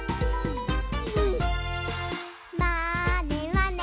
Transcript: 「まーねまね」